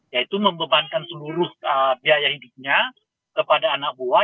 yaitu membebankan seluruh biaya hidupnya kepada anak buah